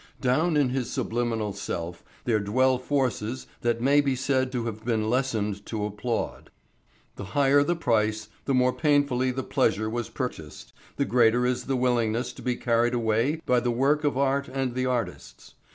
Down in his subliminal self there dwell forces that may be said to have been lessoned to applaud. The higher the price, the more painfully the pleasure was purchased, the greater is the willingness to be carried away by the work of art and the artists.